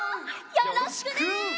よろしくね！